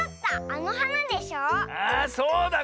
あそうだ